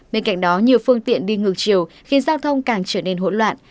bên cạnh đó nhiều phương tiện đi ngược chiều khiến giao thông càng trở nên hỗn loạn